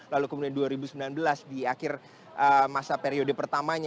lalu kemudian dua ribu sembilan belas di akhir masa periode pertamanya